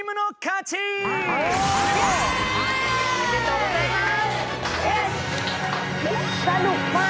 おお！おめでとうございます。